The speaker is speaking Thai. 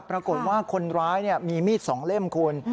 ปรากฏว่าคนร้ายมีมีด๒เล่มคุณ